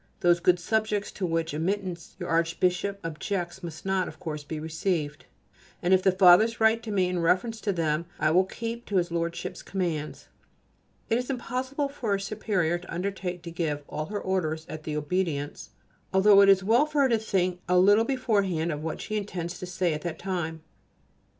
Those good subjects to whose admittance your Archbishop objects must not, of course, be received, and if the Fathers write to me in reference to them I will keep to his Lordship's commands. It is impossible for a superior to undertake to give all her orders at the Obedience[A] although it is well for her to think a little beforehand of what she intends to say at that time.